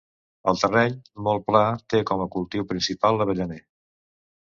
El terreny, molt pla, té com a cultiu principal l'avellaner.